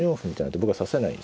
僕は指せないですよ。